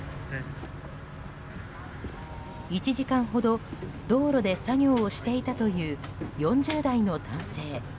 １時間ほど道路で作業をしていたという４０代の男性。